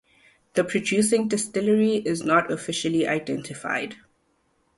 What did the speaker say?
The producing distillery is not officially identified.